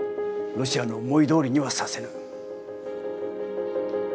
ロシアの思いどおりにはさせぬ。